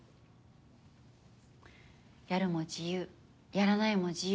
やるも自由やらないも自由。